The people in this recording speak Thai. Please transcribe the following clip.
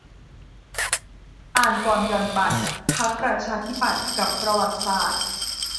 อ่านก่อนหย่อนบัตร พรรคประชาธิปัตย์ กับประวัติศาสตร์